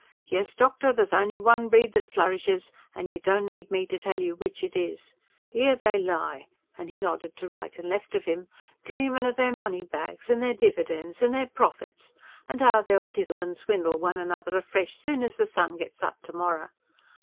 Yes, doctor, there's only one breed that flourishes, and you don't need me to tell you which it is. Here they lie" and he nodded to right and left of him "dreamin' o' their money bags, and their dividends, and their profits, and how they'll diddle and swindle one another afresh, soon as the sun gets up to morrow.